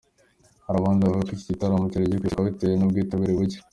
Hari abandi bavuga ko iki gitaramo cyari gikwiye gusubikwa bitewe n'ubwitabire bucye.